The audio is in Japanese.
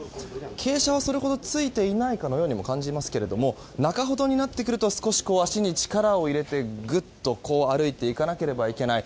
傾斜はそれほどついていないかのようにも感じますけれども中ほどになってくると足に少し力を入れてぐっと歩いていかなければいけない